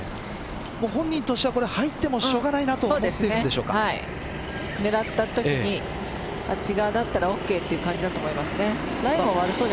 本人としては入ってもしょうがないと狙ったときにあっち側だったらＯＫという感じだと思います。